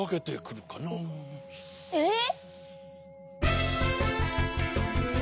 えっ！？